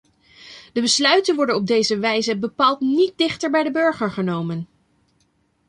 De besluiten worden op deze wijze bepaald niet dichter bij de burger genomen.